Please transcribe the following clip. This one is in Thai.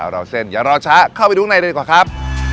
เดี๋ยวเราเซ่นเดี๋ยวเราช้าเข้าไปดูข้างในด้วยกว่าครับ